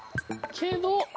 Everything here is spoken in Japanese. けど？